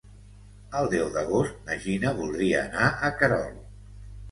El deu d'agost na Gina voldria anar a Querol.